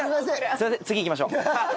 すみません次いきましょう！